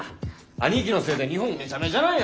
兄貴のせいで日本めちゃめちゃなんやぞ！